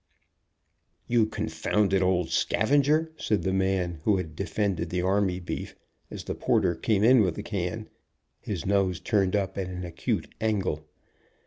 "You confounded old scavenger," said the man who had defended the army beef, as the porter came in with the can, his nose turned up at an acute angle.